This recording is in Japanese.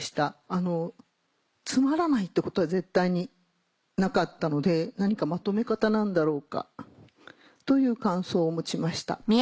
あのつまらないってことは絶対になかったので何かまとめ方なんだろうかという感想を持ちました。